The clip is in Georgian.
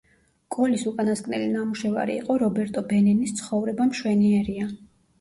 კოლის უკანასკნელი ნამუშევარი იყო რობერტო ბენინის „ცხოვრება მშვენიერია“.